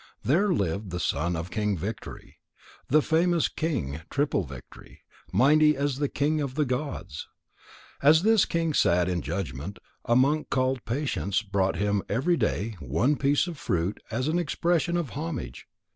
There lived the son of King Victory, the famous King Triple victory, mighty as the king of the gods. As this king sat in judgment, a monk called Patience brought him every day one piece of fruit as an expression of homage.